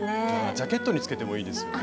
ジャケットにつけてもいいですよね。